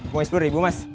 buang sepuluh ribu mas